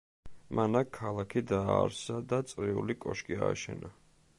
მან აქ ქალაქი დააარსა და წრიული კოშკი ააშენა.